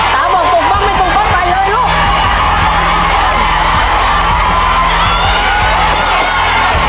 ตาบอกตุกฟังไม่ตุกก็ใส่เลยลูก